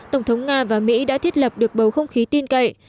tổng thống nga và mỹ đã thiết lập được bầu không khí tin cậy